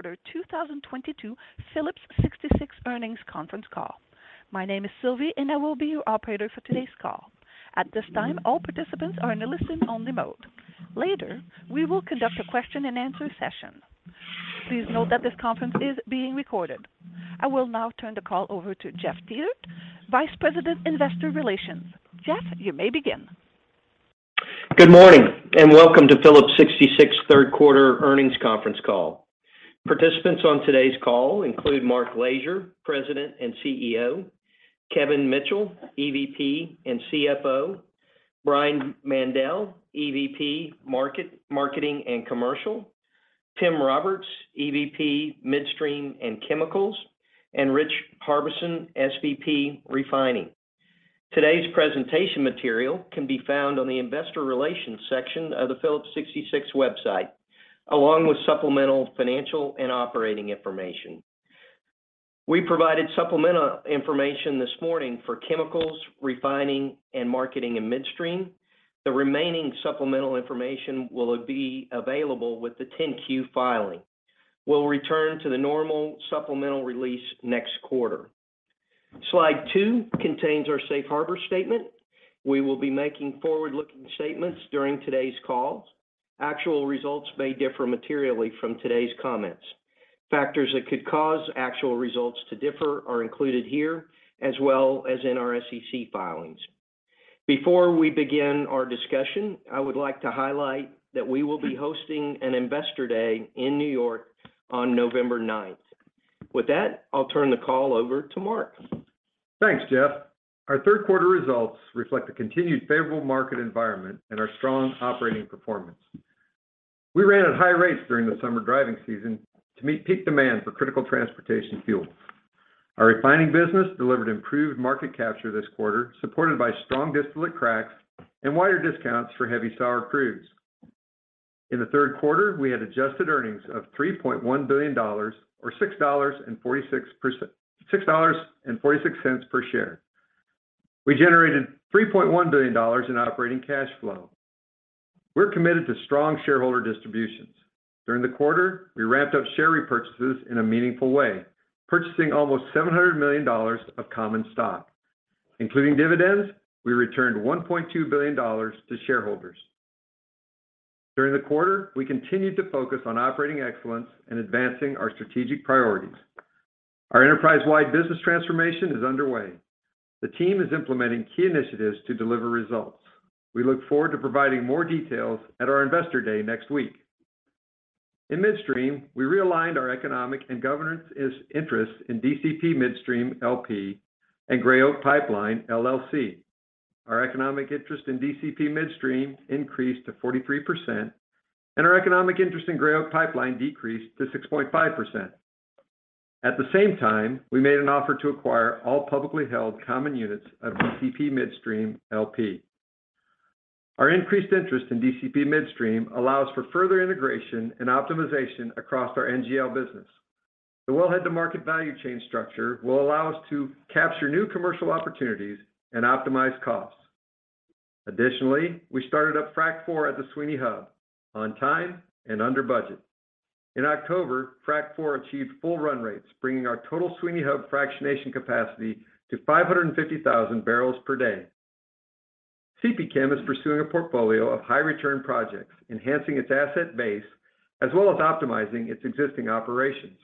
Q2 2022 Phillips 66 earnings conference call. My name is Sylvie, and I will be your operator for today's call. At this time, all participants are in a listen-only mode. Later, we will conduct a question-and-answer session. Please note that this conference is being recorded. I will now turn the call over to Jeff Dietert, Vice President, Investor Relations. Jeff, you may begin. Good morning, and welcome to Phillips 66 third quarter earnings conference call. Participants on today's call include Mark Lashier, President and CEO, Kevin Mitchell, EVP and CFO, Brian Mandell, EVP, Marketing and Commercial, Tim Roberts, EVP, Midstream and Chemicals, and Rich Harbison, SVP, Refining. Today's presentation material can be found on the investor relations section of the Phillips 66 website, along with supplemental financial and operating information. We provided supplemental information this morning for chemicals, refining, and marketing, and midstream. The remaining supplemental information will be available with the 10-Q filing. We'll return to the normal supplemental release next quarter. Slide two contains our safe harbor statement. We will be making forward-looking statements during today's call. Actual results may differ materially from today's comments. Factors that could cause actual results to differ are included here, as well as in our SEC filings. Before we begin our discussion, I would like to highlight that we will be hosting an Investor Day in New York on November 9th. With that, I'll turn the call over to Mark. Thanks, Jeff. Our third quarter results reflect the continued favorable market environment and our strong operating performance. We ran at high rates during the summer driving season to meet peak demand for critical transportation fuel. Our refining business delivered improved market capture this quarter, supported by strong distillate cracks and wider discounts for heavy sour crudes. In the third quarter, we had adjusted earnings of $3.1 billion, or $6.46 per share. We generated $3.1 billion in operating cash flow. We're committed to strong shareholder distributions. During the quarter, we ramped up share repurchases in a meaningful way, purchasing almost $700 million of common stock. Including dividends, we returned $1.2 billion to shareholders. During the quarter, we continued to focus on operating excellence and advancing our strategic priorities. Our enterprise-wide business transformation is underway. The team is implementing key initiatives to deliver results. We look forward to providing more details at our Investor Day next week. In midstream, we realigned our economic and governance interests in DCP Midstream, LP and Gray Oak Pipeline, LLC. Our economic interest in DCP Midstream increased to 43%, and our economic interest in Gray Oak Pipeline decreased to 6.5%. At the same time, we made an offer to acquire all publicly held common units of DCP Midstream, LP. Our increased interest in DCP Midstream allows for further integration and optimization across our NGL business. The wellhead-to-market value chain structure will allow us to capture new commercial opportunities and optimize costs. Additionally, we started up Frac Four at the Sweeny Hub on time and under budget. In October, Frac Four achieved full run rates, bringing our total Sweeny Hub fractionation capacity to 550,000 barrels per day. CPChem is pursuing a portfolio of high-return projects, enhancing its asset base, as well as optimizing its existing operations.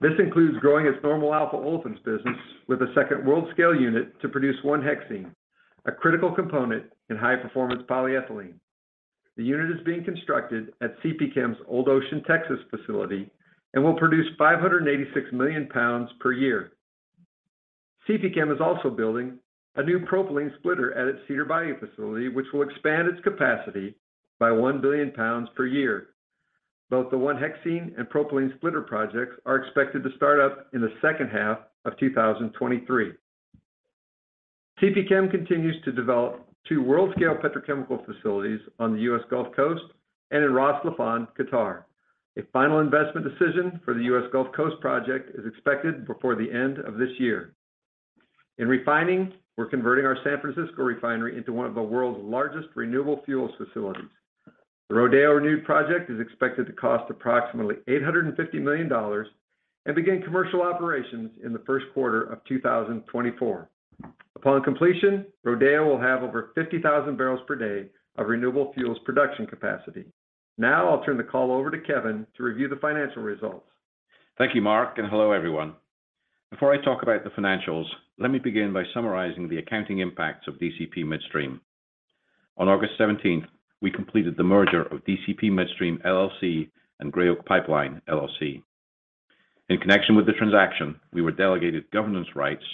This includes growing its normal alpha olefins business with a second world scale unit to produce 1-hexene, a critical component in high-performance polyethylene. The unit is being constructed at CPChem's Old Ocean, Texas facility and will produce 586 million pounds per year. CPChem is also building a new propylene splitter at its Cedar Bayou facility, which will expand its capacity by 1 billion pounds per year. Both the 1-hexene and propylene splitter projects are expected to start up in the second half of 2023. CPChem continues to develop two world-scale petrochemical facilities on the U.S. Gulf Coast and in Ras Laffan, Qatar. A final investment decision for the U.S. Gulf Coast project is expected before the end of this year. In refining, we're converting our San Francisco refinery into one of the world's largest renewable fuels facilities. The Rodeo Renewed project is expected to cost approximately $850 million and begin commercial operations in the first quarter of 2024. Upon completion, Rodeo will have over 50,000 barrels per day of renewable fuels production capacity. Now, I'll turn the call over to Kevin to review the financial results. Thank you, Mark, and hello, everyone. Before I talk about the financials, let me begin by summarizing the accounting impacts of DCP Midstream. On August seventeenth, we completed the merger of DCP Midstream, LLC and Gray Oak Pipeline, LLC. In connection with the transaction, we were delegated governance rights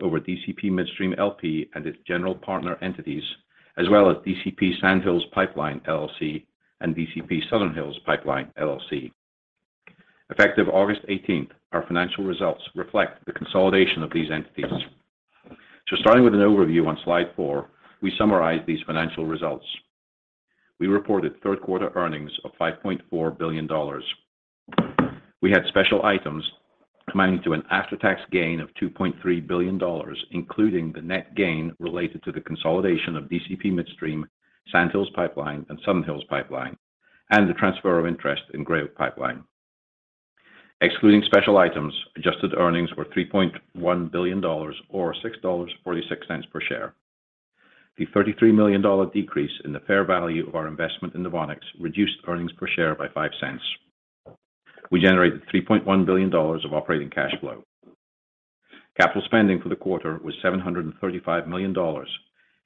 over DCP Midstream, LP and its general partner entities, as well as DCP Sand Hills Pipeline, LLC and DCP Southern Hills Pipeline, LLC. Effective August eighteenth, our financial results reflect the consolidation of these entities. Starting with an overview on slide 4, we summarize these financial results. We reported third-quarter earnings of $5.4 billion. We had special items amounting to an after-tax gain of $2.3 billion, including the net gain related to the consolidation of DCP Midstream, Sand Hills Pipeline, and Southern Hills Pipeline, and the transfer of interest in Gray Oak Pipeline. Excluding special items, adjusted earnings were $3.1 billion or $6.46 per share. The $33 million decrease in the fair value of our investment in NOVONIX reduced earnings per share by $0.05. We generated $3.1 billion of operating cash flow. Capital spending for the quarter was $735 million,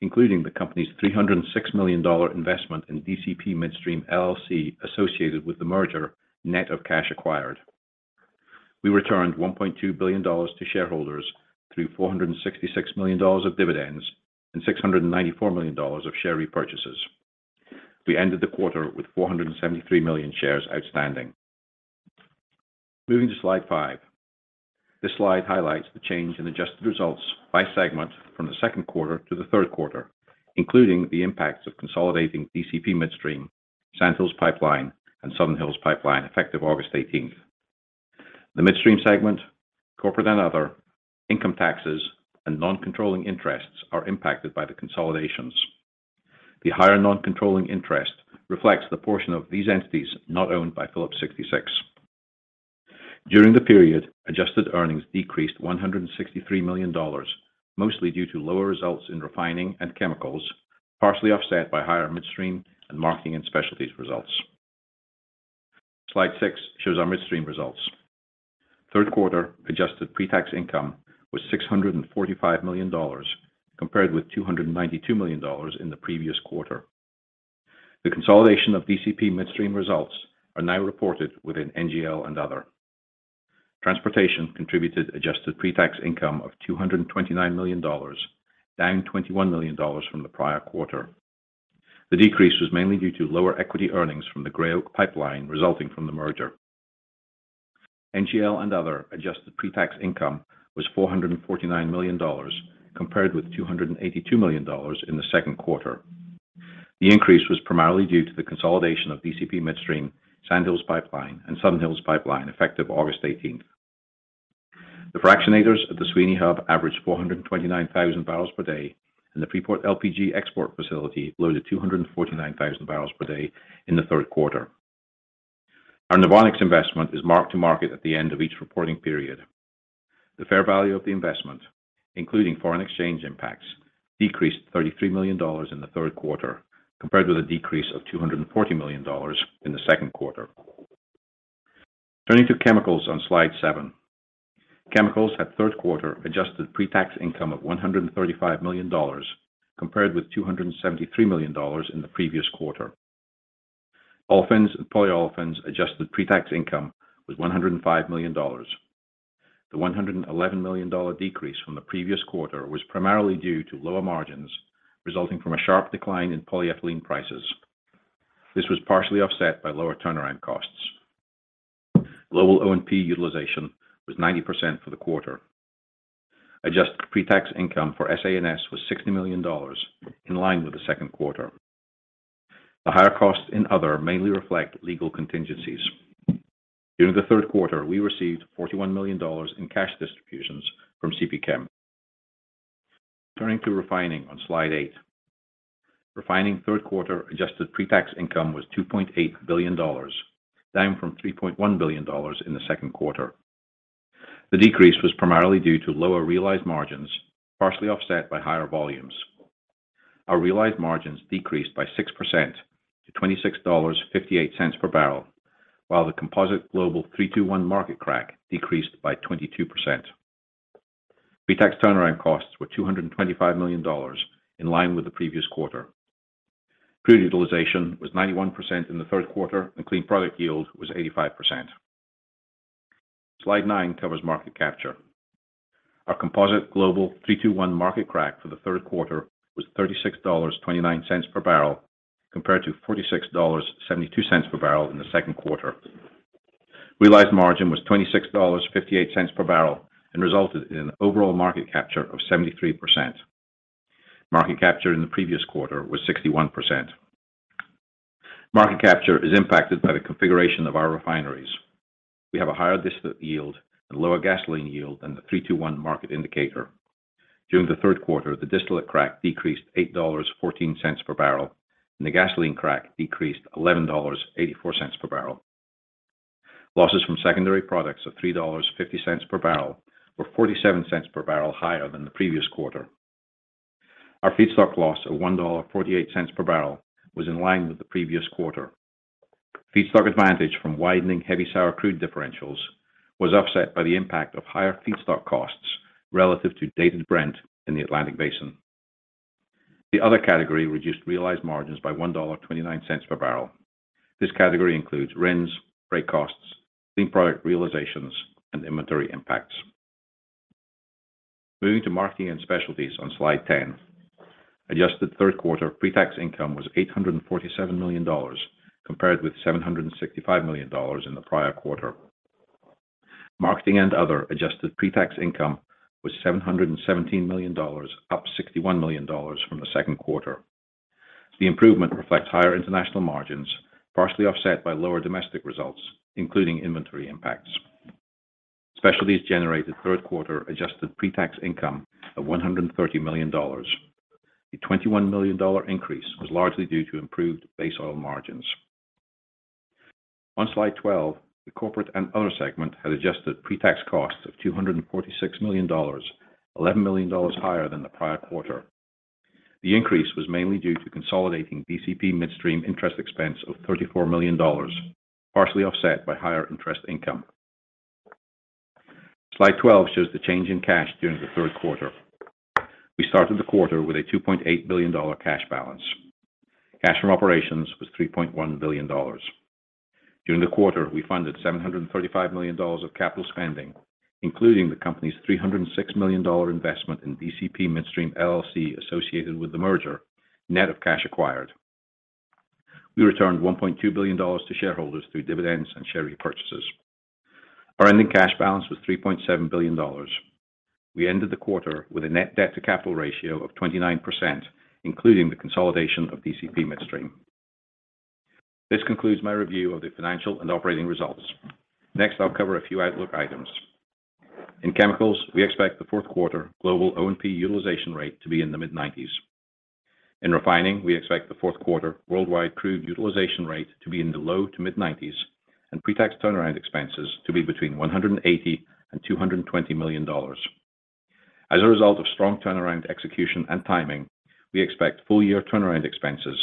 including the company's $306 million investment in DCP Midstream, LLC associated with the merger net of cash acquired. We returned $1.2 billion to shareholders through $466 million of dividends and $694 million of share repurchases. We ended the quarter with 473 million shares outstanding. Moving to slide five. This slide highlights the change in adjusted results by segment from the second quarter to the third quarter, including the impacts of consolidating DCP Midstream, Sand Hills Pipeline, and Southern Hills Pipeline effective August eighteenth. The Midstream segment, corporate and other income taxes and non-controlling interests are impacted by the consolidations. The higher non-controlling interest reflects the portion of these entities not owned by Phillips 66. During the period, adjusted earnings decreased $163 million, mostly due to lower results in refining and chemicals, partially offset by higher Midstream and Marketing and Specialties results. Slide six shows our Midstream results. Third quarter adjusted pre-tax income was $645 million, compared with $292 million in the previous quarter. The consolidation of DCP Midstream results are now reported within NGL and other. Transportation contributed adjusted pre-tax income of $229 million, down $21 million from the prior quarter. The decrease was mainly due to lower equity earnings from the Gray Oak Pipeline resulting from the merger. NGL and other adjusted pre-tax income was $449 million, compared with $282 million in the second quarter. The increase was primarily due to the consolidation of DCP Midstream, Sand Hills Pipeline, and Southern Hills Pipeline effective August 18th. The fractionators at the Sweeny Hub averaged 429,000 barrels per day and the Freeport LPG export facility loaded 249,000 barrels per day in the third quarter. Our NOVONIX investment is marked to market at the end of each reporting period. The fair value of the investment, including foreign exchange impacts, decreased $33 million in the third quarter, compared with a decrease of $240 million in the second quarter. Turning to chemicals on slide seven. Chemicals had third quarter adjusted pre-tax income of $135 million compared with $273 million in the previous quarter. Olefins and polyolefins adjusted pre-tax income was $105 million. The $111 million decrease from the previous quarter was primarily due to lower margins resulting from a sharp decline in polyethylene prices. This was partially offset by lower turnaround costs. Global O&P utilization was 90% for the quarter. Adjusted pre-tax income for M&S was $60 million in line with the second quarter. The higher costs in other mainly reflect legal contingencies. During the third quarter, we received $41 million in cash distributions from CP Chem. Turning to refining on slide eight. Refining third quarter adjusted pre-tax income was $2.8 billion, down from $3.1 billion in the second quarter. The decrease was primarily due to lower realized margins, partially offset by higher volumes. Our realized margins decreased by 6% to $26.58 per barrel, while the composite global 3-2-1 market crack decreased by 22%. Pre-tax turnaround costs were $225 million in line with the previous quarter. Crew utilization was 91% in the third quarter, and clean product yield was 85%. Slide 9 covers market capture. Our composite global 3-2-1 market crack for the third quarter was $36.29 per barrel, compared to $46.72 per barrel in the second quarter. Realized margin was $26.58 per barrel and resulted in an overall market capture of 73%. Market capture in the previous quarter was 61%. Market capture is impacted by the configuration of our refineries. We have a higher distillate yield and lower gasoline yield than the 3-2-1 market indicator. During the third quarter, the distillate crack decreased $8.14 per barrel, and the gasoline crack decreased $11.84 per barrel. Losses from secondary products of $3.50 per barrel were $0.47 per barrel higher than the previous quarter. Our feedstock loss of $1.48 per barrel was in line with the previous quarter. Feedstock advantage from widening heavy sour crude differentials was offset by the impact of higher feedstock costs relative to Dated Brent in the Atlantic Basin. The other category reduced realized margins by $1.29 per barrel. This category includes RINs, freight costs, clean product realizations, and inventory impacts. Moving to Marketing and Specialties on slide 10. Adjusted third quarter pre-tax income was $847 million, compared with $765 million in the prior quarter. Marketing and other adjusted pre-tax income was $717 million, up $61 million from the second quarter. The improvement reflects higher international margins, partially offset by lower domestic results, including inventory impacts. Specialties generated third quarter adjusted pre-tax income of $130 million. The $21 million increase was largely due to improved base oil margins. On Slide 12, the corporate and other segment had adjusted pre-tax costs of $246 million, $11 million higher than the prior quarter. The increase was mainly due to consolidating DCP Midstream interest expense of $34 million, partially offset by higher interest income. Slide 12 shows the change in cash during the third quarter. We started the quarter with a $2.8 billion cash balance. Cash from operations was $3.1 billion. During the quarter, we funded $735 million of capital spending, including the company's $306 million investment in DCP Midstream, LLC associated with the merger, net of cash acquired. We returned $1.2 billion to shareholders through dividends and share repurchases. Our ending cash balance was $3.7 billion. We ended the quarter with a net debt to capital ratio of 29%, including the consolidation of DCP Midstream. This concludes my review of the financial and operating results. Next, I'll cover a few outlook items. In chemicals, we expect the fourth quarter global O&P utilization rate to be in the mid-90s. In refining, we expect the fourth quarter worldwide crude utilization rate to be in the low- to mid-90s and pre-tax turnaround expenses to be between $180 million and $220 million. As a result of strong turnaround execution and timing, we expect full-year turnaround expenses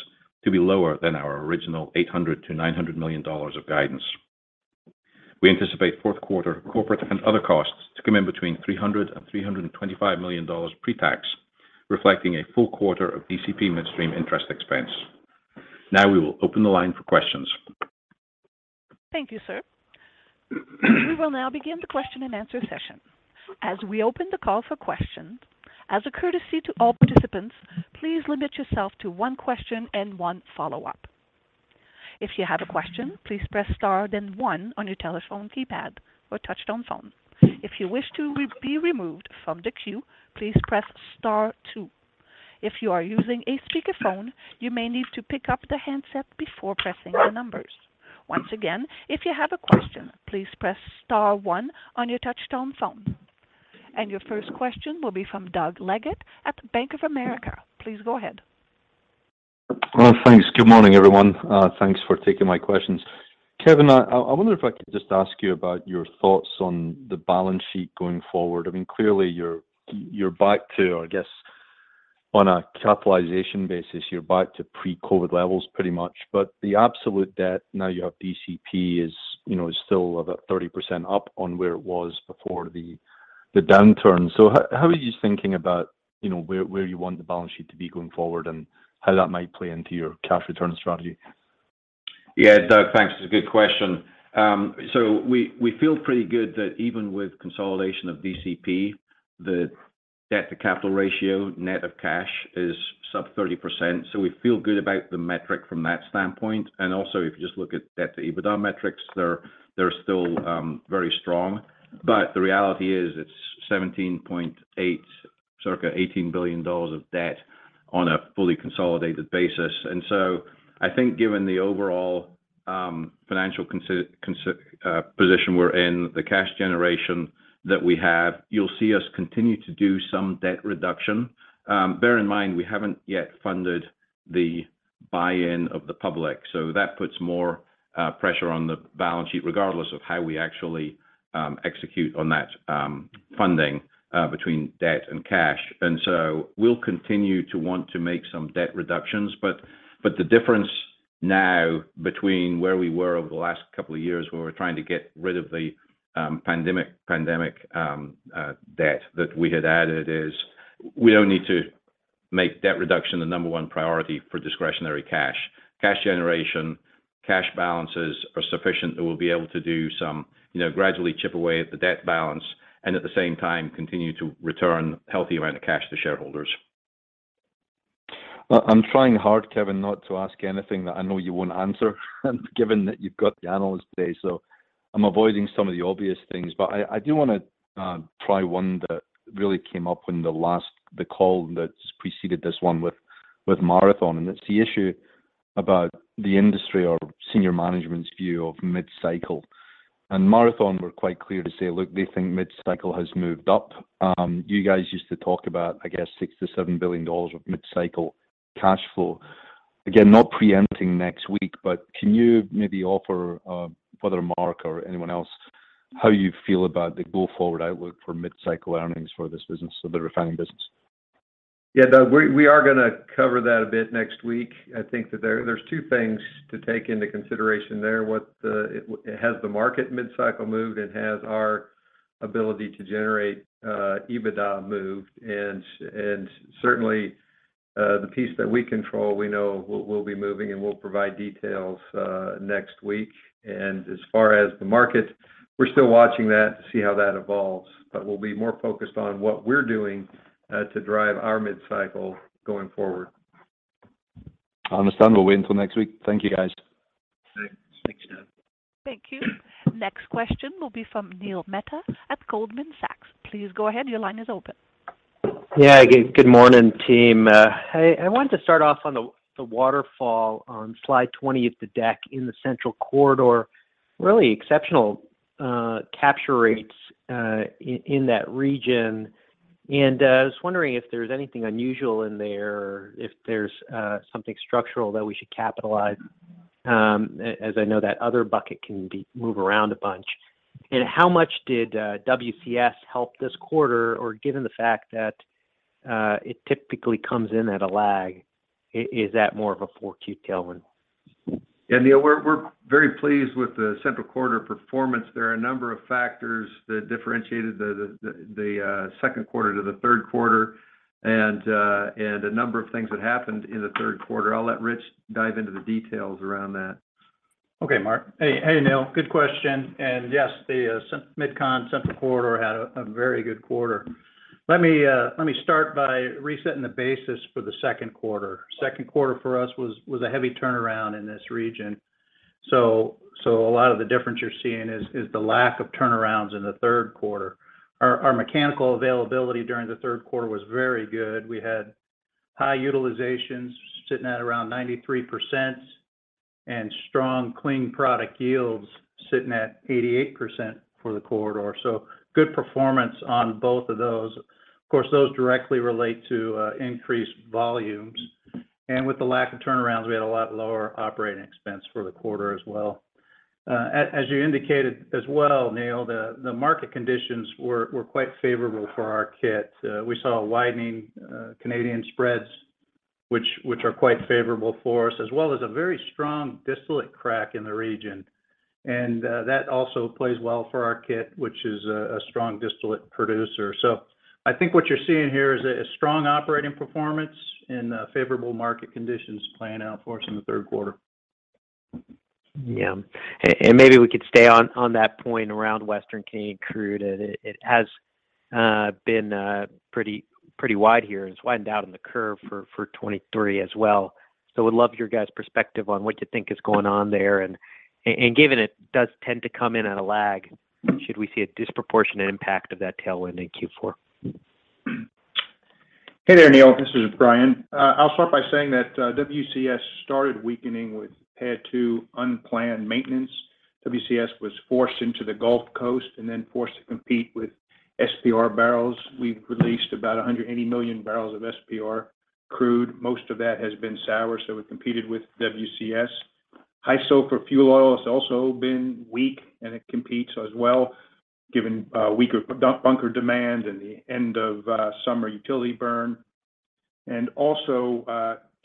to be lower than our original $800 million-$900 million of guidance. We anticipate fourth quarter corporate and other costs to come in between $300 million and $325 million pre-tax, reflecting a full quarter of DCP Midstream interest expense. Now we will open the line for questions. Thank you, sir. We will now begin the question and answer session. As we open the call for questions, as a courtesy to all participants, please limit yourself to one question and one follow-up. If you have a question, please press star then one on your telephone keypad or touch-tone phone. If you wish to be removed from the queue, please press star two. If you are using a speakerphone, you may need to pick up the handset before pressing the numbers. Once again, if you have a question, please press star one on your touch-tone phone. Your first question will be from Douglas Leggate at Bank of America. Please go ahead. Well, thanks. Good morning, everyone. Thanks for taking my questions. Kevin, I wonder if I could just ask you about your thoughts on the balance sheet going forward. I mean, clearly you're back to, or I guess on a capitalization basis, you're back to pre-COVID levels pretty much. But the absolute debt now you have DCP is, you know, is still about 30% up on where it was before the downturn. So how are you thinking about, you know, where you want the balance sheet to be going forward and how that might play into your cash return strategy? Yeah, Doug, thanks. It's a good question. We feel pretty good that even with consolidation of DCP, the debt to capital ratio net of cash is sub 30%. We feel good about the metric from that standpoint. Also if you just look at debt to EBITDA metrics, they're still very strong. The reality is it's 17.8, circa $18 billion of debt on a fully consolidated basis. I think given the overall financial position we're in, the cash generation that we have, you'll see us continue to do some debt reduction. Bear in mind, we haven't yet funded the buy-in of the public, so that puts more pressure on the balance sheet regardless of how we actually execute on that funding between debt and cash. We'll continue to want to make some debt reductions, but the difference now between where we were over the last couple of years where we're trying to get rid of the pandemic debt that we had added is we don't need to make debt reduction the number one priority for discretionary cash. Cash generation, cash balances are sufficient that we'll be able to do some, you know, gradually chip away at the debt balance and at the same time continue to return healthy amount of cash to shareholders. Well, I'm trying hard, Kevin, not to ask anything that I know you won't answer given that you've got the analyst day. I'm avoiding some of the obvious things. I do wanna try one that really came up in the last the call that preceded this one with Marathon, and it's the issue about the industry or senior management's view of mid-cycle. Marathon were quite clear to say, look, they think mid-cycle has moved up. You guys used to talk about, I guess, $6 billion-$7 billion of mid-cycle cash flow. Again, not preempting next week, but can you maybe offer whether Mark or anyone else how you feel about the go-forward outlook for mid-cycle earnings for this business or the refining business? Yeah, Doug, we are gonna cover that a bit next week. I think that there's two things to take into consideration there. Has the market mid-cycle moved, and has our ability to generate EBITDA moved? Certainly, the piece that we control, we know we'll be moving, and we'll provide details next week. As far as the market, we're still watching that to see how that evolves. We'll be more focused on what we're doing to drive our mid-cycle going forward. I understand. We'll wait until next week. Thank you, guys. Thanks. Thank you. Next question will be from Neil Mehta at Goldman Sachs. Please go ahead. Your line is open. Yeah. Good morning, team. I wanted to start off on the waterfall on slide 20 of the deck in the central corridor. Really exceptional capture rates in that region. I was wondering if there's anything unusual in there or if there's something structural that we should capitalize, as I know that other bucket can move around a bunch. How much did WCS help this quarter, or given the fact that it typically comes in at a lag, is that more of a 4Q tailwind? Yeah, Neil, we're very pleased with the central corridor performance. There are a number of factors that differentiated the second quarter to the third quarter and a number of things that happened in the third quarter. I'll let Rich dive into the details around that. Okay, Mark. Hey, hey, Neil. Good question. Yes, the MidCon central corridor had a very good quarter. Let me start by resetting the basis for the second quarter. Second quarter for us was a heavy turnaround in this region. A lot of the difference you're seeing is the lack of turnarounds in the third quarter. Our mechanical availability during the third quarter was very good. We had high utilizations sitting at around 93% and strong clean product yields sitting at 88% for the corridor. Good performance on both of those. Of course, those directly relate to increased volumes. With the lack of turnarounds, we had a lot lower operating expense for the quarter as well. As you indicated as well, Neil, the market conditions were quite favorable for our kit. We saw widening Canadian spreads, which are quite favorable for us, as well as a very strong distillate crack in the region. That also plays well for our kit, which is a strong distillate producer. I think what you're seeing here is a strong operating performance and favorable market conditions playing out for us in the third quarter. Yeah. Maybe we could stay on that point around Western Canadian crude. It has been pretty wide here. It's widened out in the curve for 2023 as well. Would love your guys' perspective on what you think is going on there. Given it does tend to come in at a lag, should we see a disproportionate impact of that tailwind in Q4? Hey there, Neil. This is Brian. I'll start by saying that, WCS started weakening with two unplanned maintenance. WCS was forced into the Gulf Coast and then forced to compete with SPR barrels. We've released about 180 million barrels of SPR crude. Most of that has been sour, so it competed with WCS. High-sulfur fuel oil has also been weak, and it competes as well, given weaker bunker demand and the end of summer utility burn.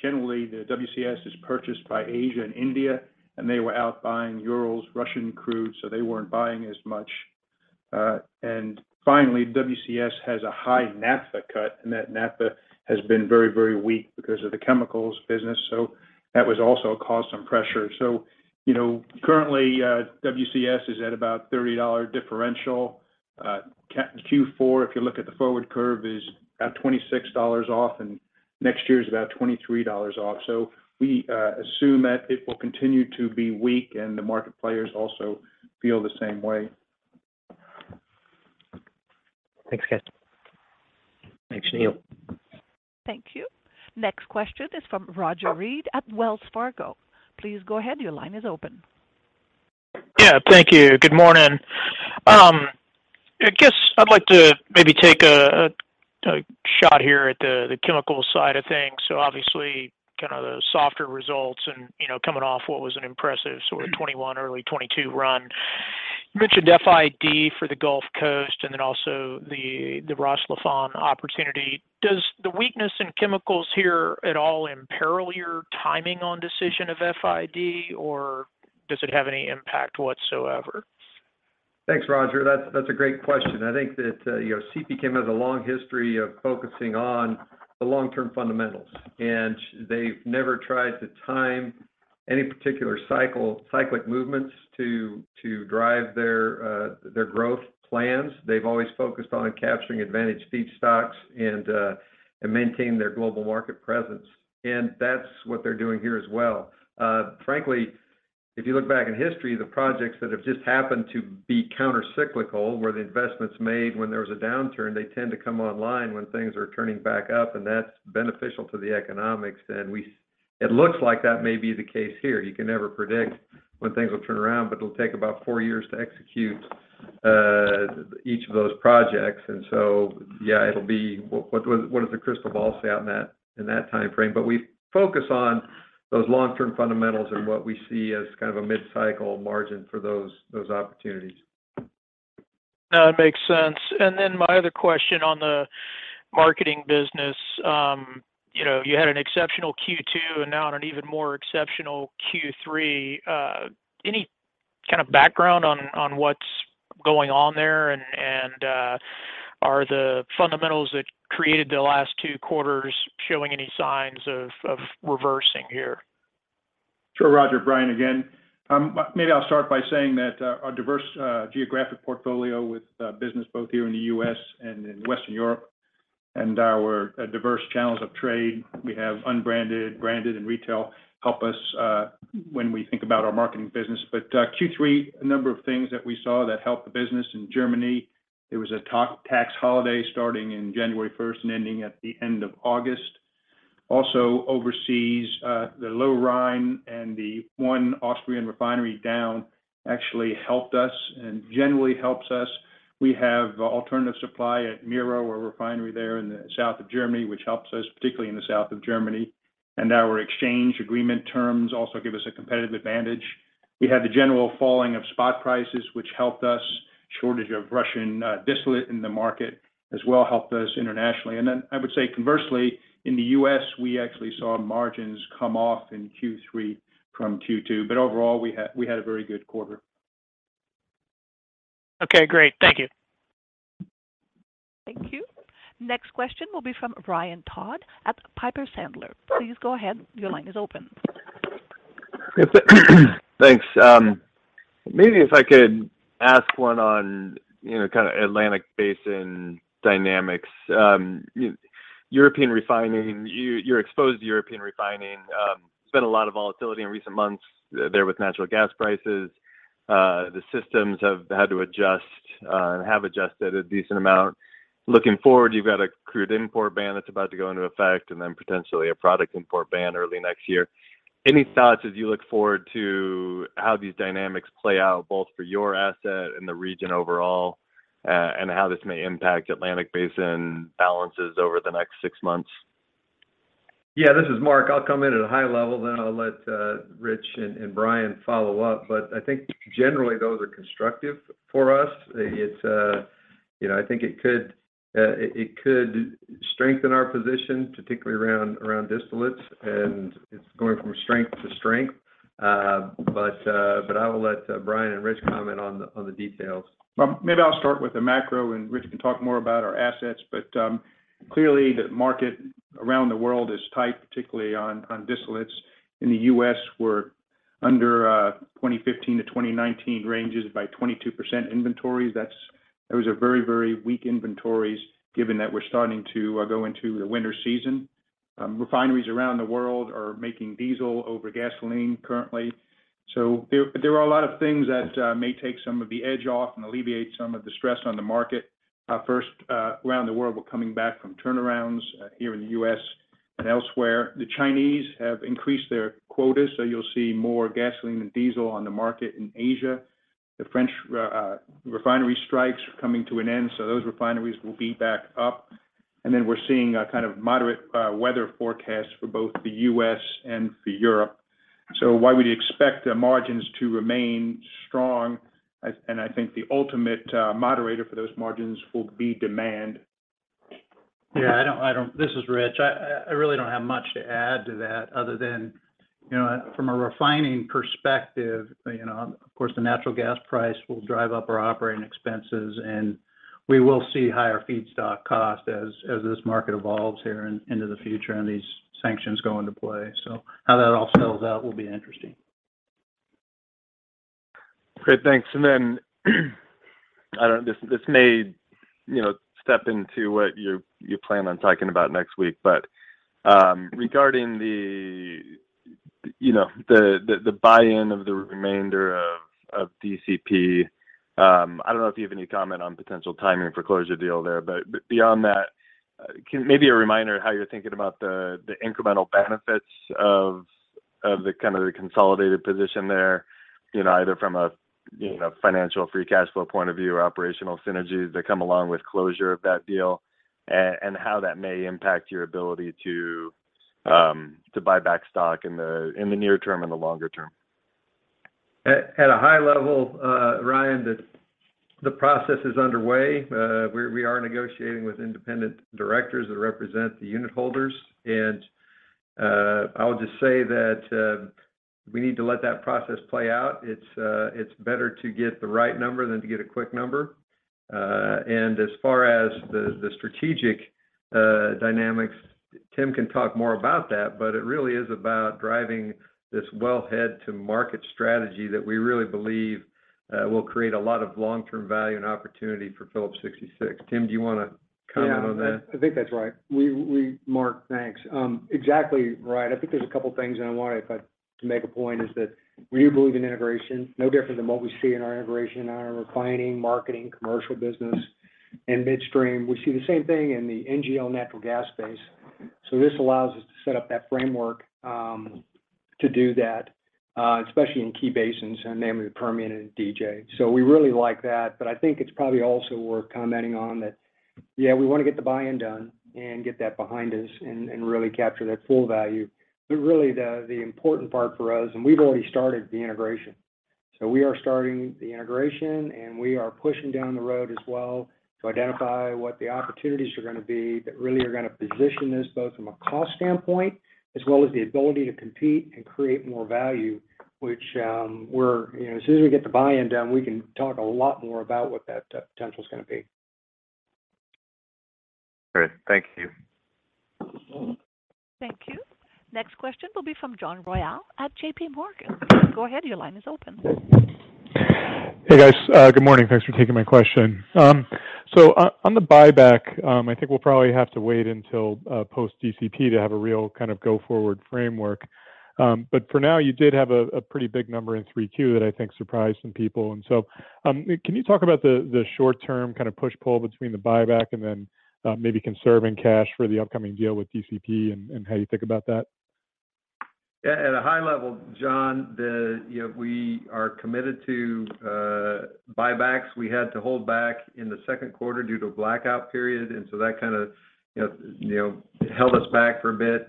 Generally, the WCS is purchased by Asia and India, and they were out buying Urals Russian crude, so they weren't buying as much. Finally, WCS has a high naphtha cut, and that naphtha has been very, very weak because of the chemicals business. That was also causing pressure. You know, currently, WCS is at about $30 differential. Q4 if you look at the forward curve is at $26 off, and next year is about $23 off. We assume that it will continue to be weak and the market players also feel the same way. Thanks, guys. Thanks, Neil. Thank you. Next question is from Roger Read at Wells Fargo. Please go ahead. Your line is open. Yeah. Thank you. Good morning. I guess I'd like to maybe take a shot here at the chemical side of things. Obviously, kind of the softer results and, you know, coming off what was an impressive sort of 2021, early 2022 run. You mentioned FID for the Gulf Coast and then also the Ras Laffan opportunity. Does the weakness in chemicals here at all imperil your timing on decision of FID, or does it have any impact whatsoever? Thanks, Roger. That's a great question. I think that, you know, CP Chem has a long history of focusing on the long-term fundamentals. They've never tried to time any particular cyclic movements to drive their growth plans. They've always focused on capturing advantaged feedstocks and maintain their global market presence. That's what they're doing here as well. Frankly, if you look back in history, the projects that have just happened to be countercyclical, where the investments made when there was a downturn, they tend to come online when things are turning back up, and that's beneficial to the economics. It looks like that may be the case here. You can never predict when things will turn around, but it'll take about four years to execute each of those projects. Yeah, it'll be what does the crystal ball say on that in that timeframe? We focus on those long-term fundamentals and what we see as kind of a mid-cycle margin for those opportunities. No, it makes sense. My other question on the marketing business, you know, you had an exceptional Q2 and now on an even more exceptional Q3. Any kind of background on what's going on there? Are the fundamentals that created the last two quarters showing any signs of reversing here? Sure, Roger. Brian again. Maybe I'll start by saying that our diverse geographic portfolio with business both here in the U.S. and in Western Europe and our diverse channels of trade, we have unbranded, branded, and retail help us when we think about our marketing business. Q3, a number of things that we saw that helped the business in Germany, there was a tax holiday starting in January first and ending at the end of August. Also overseas, the Lower Rhine and the one Austrian refinery down actually helped us and generally helps us. We have alternative supply at MiRO, our refinery there in the south of Germany, which helps us particularly in the south of Germany. Our exchange agreement terms also give us a competitive advantage. We had the general falling of spot prices, which helped us. Shortage of Russian distillate in the market as well helped us internationally. I would say conversely, in the U.S.we actually saw margins come off in Q3 from Q2. Overall, we had a very good quarter. Okay, great. Thank you. Thank you. Next question will be from Ryan Todd at Piper Sandler. Please go ahead. Your line is open. Thanks. Maybe if I could ask one on, you know, kind of Atlantic Basin dynamics. European refining, you're exposed to European refining. There's been a lot of volatility in recent months there with natural gas prices. The systems have had to adjust, and have adjusted a decent amount. Looking forward, you've got a crude import ban that's about to go into effect and then potentially a product import ban early next year. Any thoughts as you look forward to how these dynamics play out, both for your asset and the region overall, and how this may impact Atlantic Basin balances over the next six months? Yeah, this is Mark. I'll come in at a high level, then I'll let Rich and Brian follow up. I think generally those are constructive for us. It's, you know, I think it could strengthen our position, particularly around distillates, and it's going from strength to strength. I will let Brian and Rich comment on the details. Well, maybe I'll start with the macro, and Rich can talk more about our assets. Clearly the market around the world is tight, particularly on distillates. In the U.S., we're under 2015-2019 ranges by 22% inventory. Those are very, very weak inventories given that we're starting to go into the winter season. Refineries around the world are making diesel over gasoline currently. There are a lot of things that may take some of the edge off and alleviate some of the stress on the market. First, around the world, we're coming back from turnarounds here in the U.S. and elsewhere. The Chinese have increased their quotas, so you'll see more gasoline and diesel on the market in Asia. The French refinery strikes are coming to an end, so those refineries will be back up. Then we're seeing a kind of moderate weather forecast for both the U.S. and for Europe. Why would you expect the margins to remain strong? I think the ultimate moderator for those margins will be demand. Yeah, I don't. This is Rich. I really don't have much to add to that other than, you know, from a refining perspective, you know, of course, the natural gas price will drive up our operating expenses, and we will see higher feedstock costs as this market evolves into the future and these sanctions go into play. How that all spells out will be interesting. Great. Thanks. Then this may, you know, step into what you plan on talking about next week. But regarding the buy-in of the remainder of DCP, I don't know if you have any comment on potential timing for closing the deal there. But beyond that, maybe a reminder how you're thinking about the incremental benefits of the kind of the consolidated position there, you know, either from a financial free cash flow point of view or operational synergies that come along with closing of that deal, and how that may impact your ability to buy back stock in the near term and the longer term. At a high level, Ryan, the process is underway. We are negotiating with independent directors that represent the unit holders. I would just say that we need to let that process play out. It's better to get the right number than to get a quick number. As far as the strategic dynamics, Tim can talk more about that, but it really is about driving this wellhead-to-market strategy that we really believe will create a lot of long-term value and opportunity for Phillips 66. Tim, do you wanna comment on that? Yeah. I think that's right. Mark, thanks. Exactly right. I think there's a couple things, and I wanna if I could make a point is that we do believe in integration, no different than what we see in our integration in our refining, marketing, commercial business, and midstream. We see the same thing in the NGL natural gas space. This allows us to set up that framework to do that, especially in key basins, and namely the Permian and DJ. We really like that. I think it's probably also worth commenting on that, yeah, we wanna get the buy-in done and get that behind us and really capture that full value. Really the important part for us, and we've already started the integration. We are starting the integration, and we are pushing down the road as well to identify what the opportunities are gonna be that really are gonna position this both from a cost standpoint as well as the ability to compete and create more value, which, You know, as soon as we get the buy-in done, we can talk a lot more about what that potential is gonna be. Great. Thank you. Thank you. Next question will be from John Royall at JPMorgan. Go ahead, your line is open. Hey guys, good morning. Thanks for taking my question. So on the buyback, I think we'll probably have to wait until post DCP to have a real kind of go forward framework. But for now, you did have a pretty big number in 3Q that I think surprised some people. Can you talk about the short term kind of push-pull between the buyback and then maybe conserving cash for the upcoming deal with DCP and how you think about that? Yeah. At a high level, John, you know, we are committed to buybacks. We had to hold back in the second quarter due to a blackout period, and so that kind of, you know, held us back for a bit.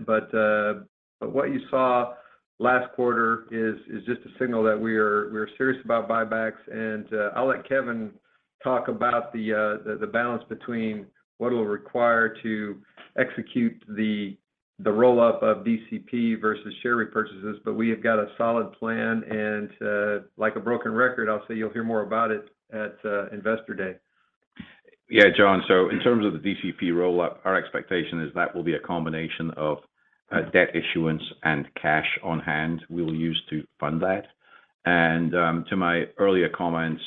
What you saw last quarter is just a signal that we are serious about buybacks. I'll let Kevin talk about the balance between what it'll require to execute the roll-up of DCP versus share repurchases. We have got a solid plan, and like a broken record, I'll say you'll hear more about it at Investor Day. Yeah, John. In terms of the DCP roll-up, our expectation is that will be a combination of debt issuance and cash on hand we'll use to fund that. To my earlier comments,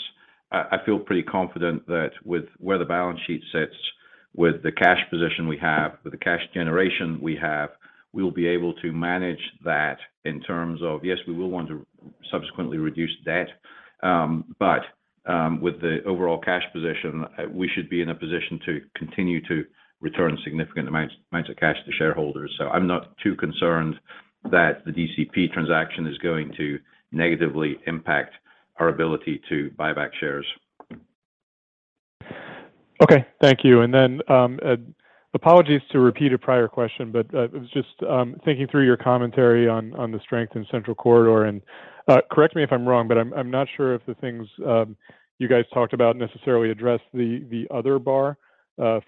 I feel pretty confident that with where the balance sheet sits, with the cash position we have, with the cash generation we have, we'll be able to manage that in terms of, yes, we will want to subsequently reduce debt, but with the overall cash position, we should be in a position to continue to return significant amounts of cash to shareholders. I'm not too concerned that the DCP transaction is going to negatively impact our ability to buy back shares. Okay. Thank you. Apologies to repeat a prior question, but I was just thinking through your commentary on the strength in Central Corridor. Correct me if I'm wrong, but I'm not sure if the things you guys talked about necessarily addressed the other bar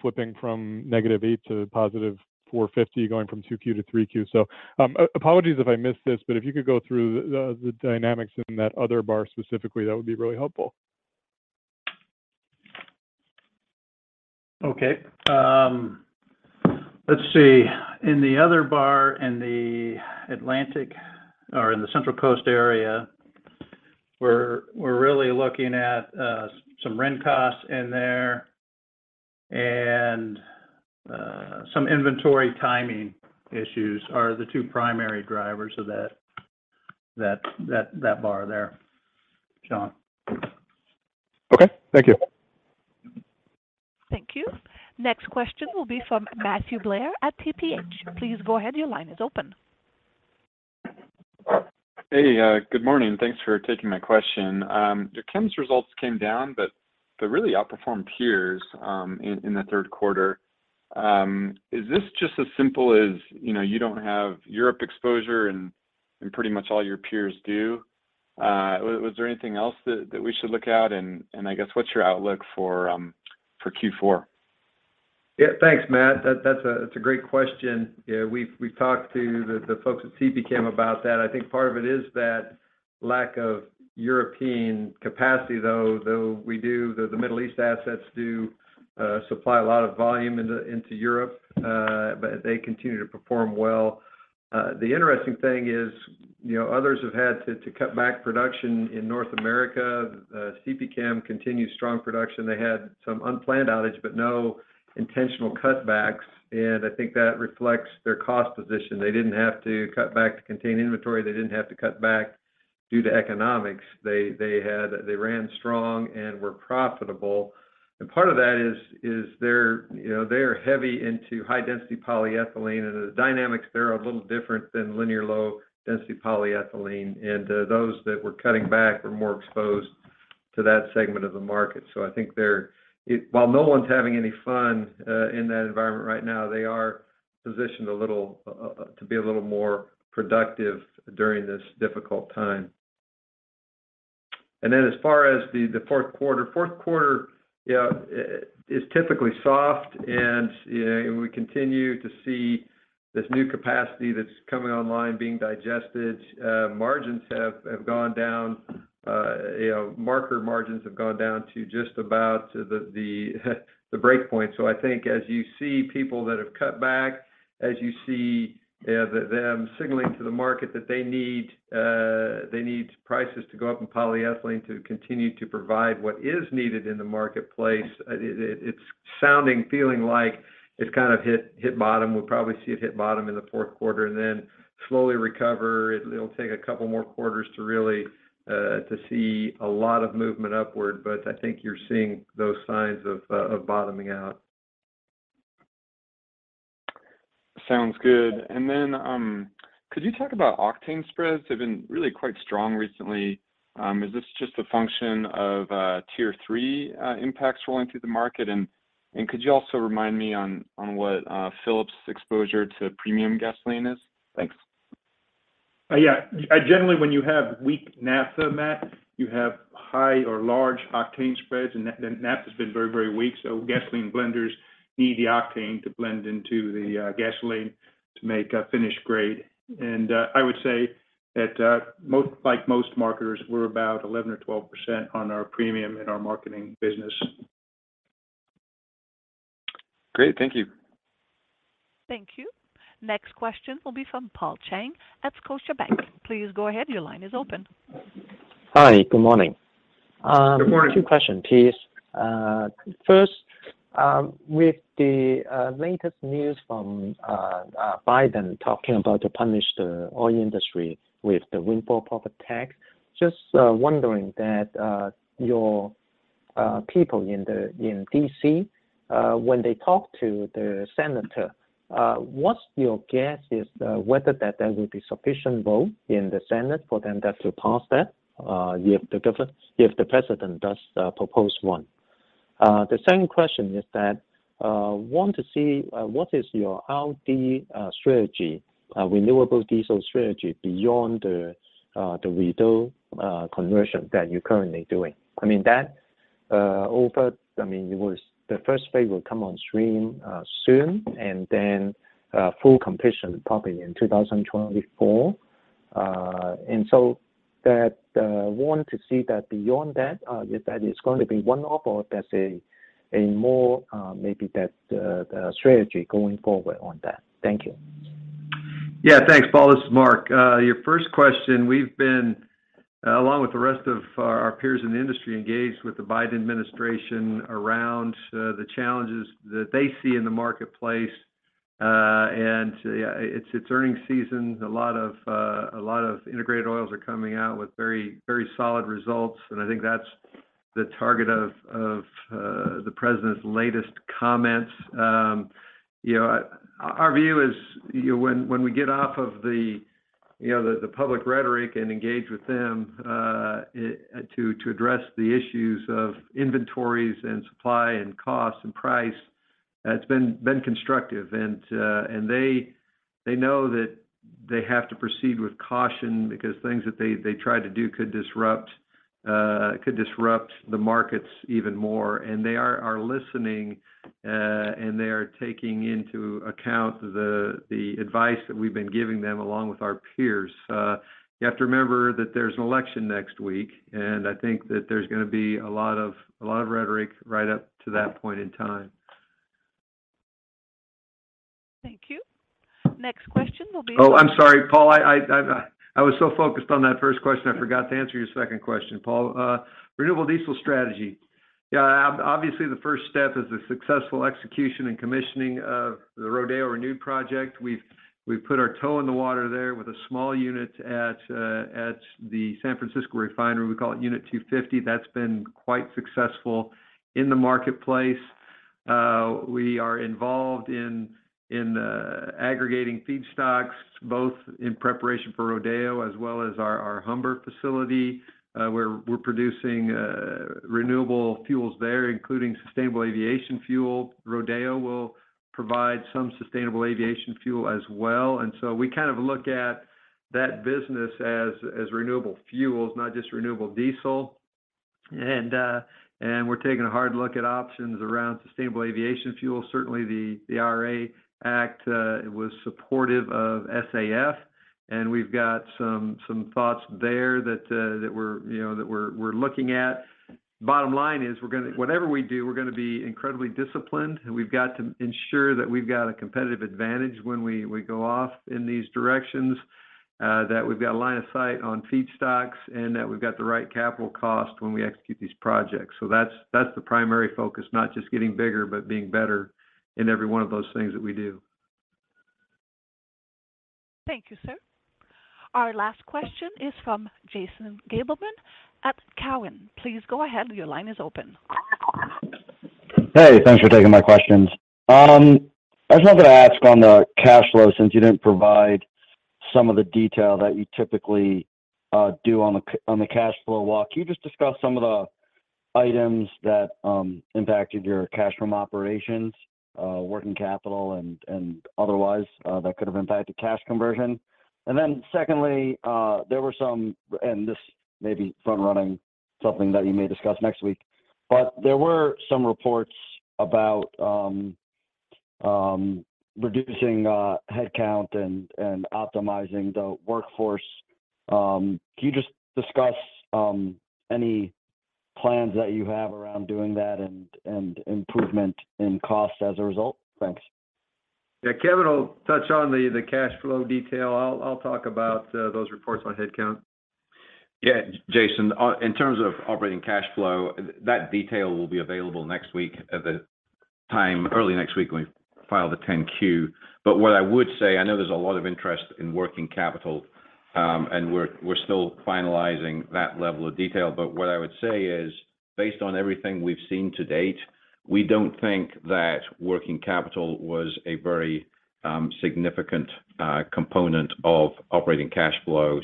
flipping from -8 to +450 going from 2Q-3Q. Apologies if I missed this, but if you could go through the dynamics in that other bar specifically, that would be really helpful. Okay. Let's see. In the other bar in the Atlantic or in the Central Coast area, we're really looking at some rent costs in there and some inventory timing issues are the two primary drivers of that bar there, John. Okay. Thank you. Thank you. Next question will be from Matthew Blair at TPH. Please go ahead. Your line is open. Hey. Good morning. Thanks for taking my question. Your Chemicals results came down but really outperformed peers in the third quarter. Is this just as simple as, you know, you don't have Europe exposure and pretty much all your peers do? Was there anything else that we should look at? I guess what's your outlook for Q4? Yeah. Thanks, Matt. That's a great question. Yeah. We've talked to the folks at CPChem about that. I think part of it is that lack of European capacity, though. The Middle East assets do supply a lot of volume into Europe, but they continue to perform well. The interesting thing is, you know, others have had to cut back production in North America. CPChem continues strong production. They had some unplanned outage, but no intentional cutbacks, and I think that reflects their cost position. They didn't have to cut back to contain inventory. They didn't have to cut back due to economics. They ran strong and were profitable. Part of that is they're heavy into high-density polyethylene and the dynamics there are a little different than linear low-density polyethylene. Those that were cutting back were more exposed to that segment of the market. I think, while no one's having any fun in that environment right now, they are positioned a little to be a little more productive during this difficult time. As far as the fourth quarter is typically soft and we continue to see this new capacity that's coming online being digested. Margins have gone down. Market margins have gone down to just about the break point. I think as you see people that have cut back, as you see them signaling to the market that they need prices to go up in polyethylene to continue to provide what is needed in the marketplace, it's sounding, feeling like it's kind of hit bottom. We'll probably see it hit bottom in the fourth quarter, and then slowly recover. It'll take a couple more quarters to really to see a lot of movement upward, but I think you're seeing those signs of bottoming out. Sounds good. Could you talk about octane spreads? They've been really quite strong recently. Is this just a function of Tier 3 impacts rolling through the market? Could you also remind me on what Phillips exposure to premium gasoline is? Thanks. Generally, when you have weak naphtha, Matt, you have high or large octane spreads, and naphtha's been very, very weak, so gasoline blenders need the octane to blend into the gasoline to make a finished grade. I would say that like most marketers, we're about 11% or 12% on our premium in our marketing business. Great. Thank you. Thank you. Next question will be from Paul Cheng at Scotiabank. Please go ahead. Your line is open. Hi. Good morning. Good morning. Two questions, please. First, with the latest news from Biden talking about to punish the oil industry with the Windfall Profit Tax, just wondering that your people in the—in D.C., when they talk to the senator, what's your guess is, whether that there will be sufficient vote in the Senate for them then to pass that, if the govern—if the President does propose one? The second question is that want to see what is your RD strategy, renewable diesel strategy beyond the the Rodeo conversion that you're currently doing. I mean, that over—I mean, it was the first phase will come on stream soon, and then full completion probably in 2024. Want to see that beyond that, if that is going to be one-off or there's a more maybe that strategy going forward on that. Thank you. Yeah. Thanks, Paul. This is Mark. Your first question, we've been along with the rest of our peers in the industry, engaged with the Biden administration around the challenges that they see in the marketplace. Yeah, it's earnings season. A lot of integrated oils are coming out with very solid results, and I think that's the target of the president's latest comments. You know, our view is, you know, when we get off of the public rhetoric and engage with them to address the issues of inventories and supply and cost and price, it's been constructive. They know that they have to proceed with caution because things that they try to do could disrupt the markets even more. They are listening, and they are taking into account the advice that we've been giving them along with our peers. You have to remember that there's an election next week, and I think that there's gonna be a lot of rhetoric right up to that point in time. Thank you. Next question will be. Oh, I'm sorry, Paul. I was so focused on that first question, I forgot to answer your second question, Paul. Renewable diesel strategy. Yeah, obviously, the first step is the successful execution and commissioning of the Rodeo Renewed project. We've put our toe in the water there with a small unit at the San Francisco Refinery. We call it Unit 250. That's been quite successful in the marketplace. We are involved in aggregating feedstocks, both in preparation for Rodeo Renewed as well as our Humber facility, where we're producing renewable fuels there, including sustainable aviation fuel. Rodeo Renewed will provide some sustainable aviation fuel as well. We kind of look at that business as renewable fuels, not just renewable diesel. We're taking a hard look at options around sustainable aviation fuel. Certainly the IRA Act was supportive of SAF, and we've got some thoughts there that, you know, we're looking at. Bottom line is we're gonna whatever we do, we're gonna be incredibly disciplined, and we've got to ensure that we've got a competitive advantage when we go off in these directions, that we've got a line of sight on feedstocks, and that we've got the right capital cost when we execute these projects. That's the primary focus, not just getting bigger, but being better in every one of those things that we do. Thank you, sir. Our last question is from Jason Gabelman at Cowen. Please go ahead. Your line is open. Hey. Thanks for taking my questions. I just wanted to ask on the cash flow, since you didn't provide some of the detail that you typically do on the cash flow walk. Can you just discuss some of the items that impacted your cash from operations, working capital and otherwise, that could have impacted cash conversion? Then secondly, and this may be front running something that you may discuss next week, but there were some reports about reducing headcount and optimizing the workforce. Can you just discuss any plans that you have around doing that and improvement in cost as a result? Thanks. Yeah. Kevin will touch on the cash flow detail. I'll talk about those reports on headcount. Yeah, Jason, in terms of operating cash flow, that detail will be available early next week when we file the 10-Q. What I would say, I know there's a lot of interest in working capital, and we're still finalizing that level of detail. What I would say is, based on everything we've seen to date, we don't think that working capital was a very significant component of operating cash flow.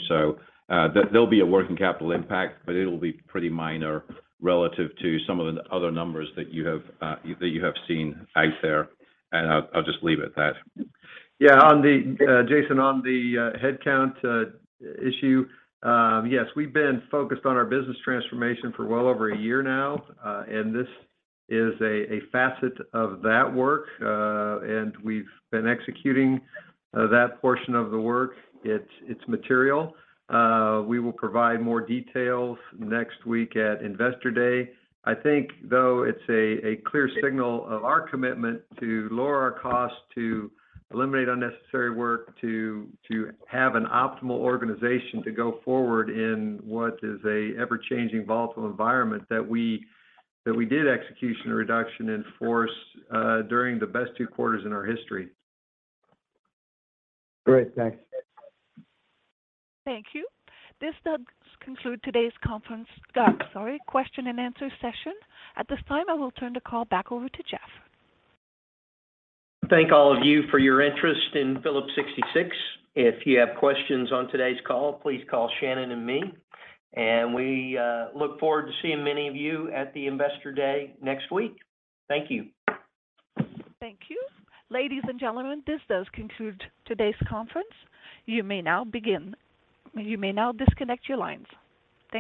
There'll be a working capital impact, but it'll be pretty minor relative to some of the other numbers that you have seen out there. I'll just leave it at that. Yeah. On the, Jason, on the headcount issue, yes, we've been focused on our business transformation for well over a year now. This is a facet of that work. We've been executing that portion of the work. It's material. We will provide more details next week at Investor Day. I think, though, it's a clear signal of our commitment to lower our costs, to eliminate unnecessary work, to have an optimal organization to go forward in what is an ever-changing, volatile environment that we did execute a reduction in force during the best two quarters in our history. Great. Thanks. Thank you. This does conclude today's question and answer session. At this time, I will turn the call back over to Jeff. Thank all of you for your interest in Phillips 66. If you have questions on today's call, please call Shannon and me. We look forward to seeing many of you at the Investor Day next week. Thank you. Thank you. Ladies and gentlemen, this does conclude today's conference. You may now disconnect your lines.